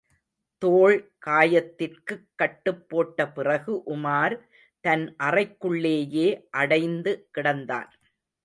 தோள் காயத்திற்குக் கட்டுப் போட்ட பிறகு உமார் தன் அறைக்குள்ளேயே அடைந்து கிடந்தான்.